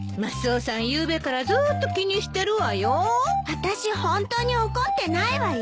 あたしホントに怒ってないわよ。